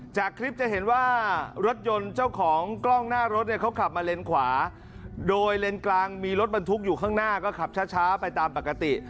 จากคลิปจะเห็นว่ารถยนต์เจ้าของกล้องหน้ารถเนี่ยเขาขับมาเลนขวาโดยเลนกลางมีรถบรรทุกอยู่ข้างหน้าก็ขับช้าไปตามปกติ